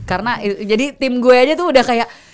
karena jadi tim gue aja tuh udah kayak